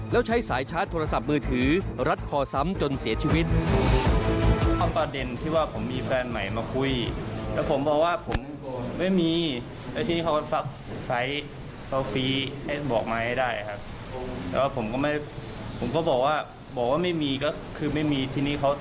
แล้วใช้สายชาร์จโทรศัพท์มือถือรัดคอซ้ำจนเสียชีวิต